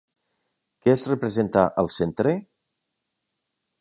Què es representa al centre?